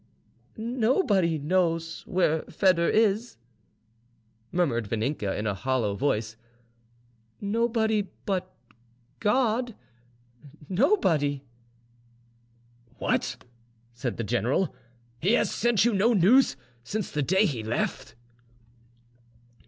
"Nobody knows where Foedor is," murmured Vaninka in a hollow voice; "nobody but God, nobody!" "What!" said the general, "he has sent you no news since the day he left?"